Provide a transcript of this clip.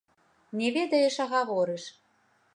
Не ведаеш, а гаворыш.